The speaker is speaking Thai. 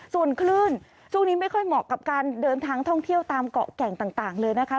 ส่วนคลื่นช่วงนี้ไม่ค่อยเหมาะกับการเดินทางท่องเที่ยวตามเกาะแก่งต่างเลยนะคะ